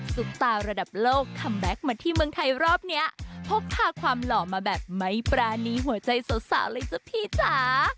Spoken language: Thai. ตาระดับโลกคัมแบ็คมาที่เมืองไทยรอบเนี้ยพกพาความหล่อมาแบบไม่ปรานีหัวใจสาวเลยจ้ะพี่จ๋า